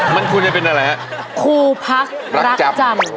มือมือครูภักดร์รักจำ